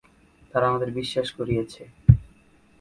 তারা আমাদের বিশ্বাস করিয়েছে।